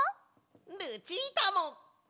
ルチータも！